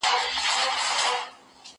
زه موټر نه کاروم؟